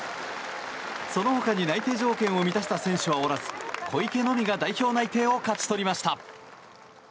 そのほかに内定条件を満たした選手はおらず小池のみが代表内定を勝ち取りました。